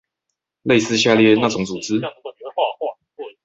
類似下列那種組織？